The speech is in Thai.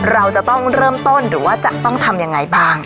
เราจะต้องเริ่มต้นหรือว่าจะต้องทำยังไงบ้าง